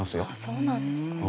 そうなんですね。